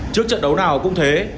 trước trận đấu nào cũng thế